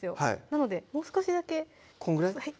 なのでもう少しだけこんぐらい？